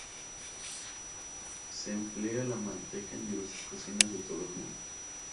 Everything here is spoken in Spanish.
Se emplea la manteca en diversas cocinas de todo el mundo.